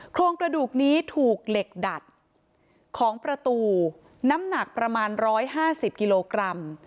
โครงกระดูกนี้ถูกเหล็กดัดของประตูน้ำหนักประมาณ๑๕๐กิโลกรัม